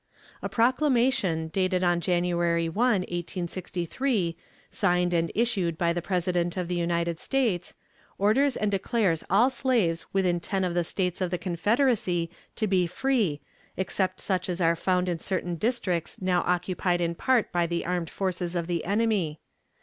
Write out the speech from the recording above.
"A proclamation, dated on January 1, 1863, signed and issued by the President of the United States, orders and declares all slaves within ten of the States of the Confederacy to be free, except such as are found in certain districts now occupied in part by the armed forces of the enemy.